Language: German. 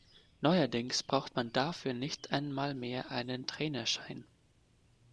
Neuerdings braucht man dafür nicht einmal mehr einen Trainerschein.